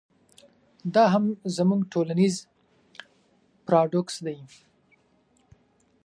دا هم زموږ ټولنیز پراډوکس دی.